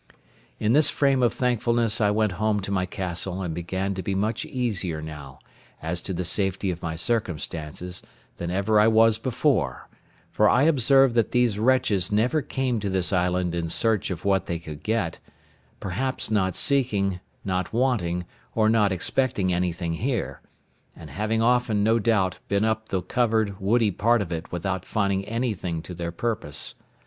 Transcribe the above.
In this frame of thankfulness I went home to my castle, and began to be much easier now, as to the safety of my circumstances, than ever I was before: for I observed that these wretches never came to this island in search of what they could get; perhaps not seeking, not wanting, or not expecting anything here; and having often, no doubt, been up the covered, woody part of it without finding anything to their purpose.